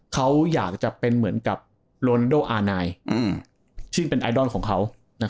เขาอยากจะเป็นเหมือนกับโรนโดอานายซึ่งเป็นไอดอลของเขา